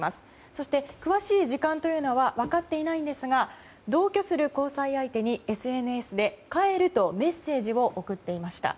そして、詳しい時間は分かっていないんですが同居する交際相手にＳＮＳで帰るとメッセージを送っていました。